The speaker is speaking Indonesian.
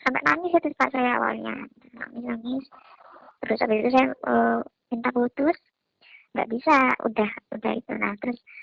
lalu ternyata udah pas udah di hotel